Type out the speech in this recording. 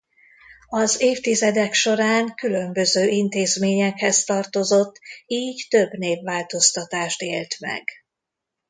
Az évtizedek során különböző intézményekhez tartozott így több névváltoztatást élt meg.